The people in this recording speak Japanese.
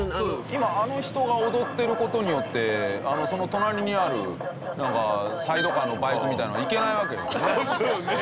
今あの人が踊ってる事によってその隣にあるサイドカーのバイクみたいなのが行けないわけですよね。